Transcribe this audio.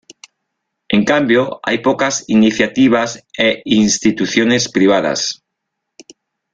En cambio, hay pocas iniciativas e instituciones privadas.